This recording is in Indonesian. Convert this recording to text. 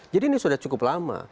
jadi ini sudah cukup lama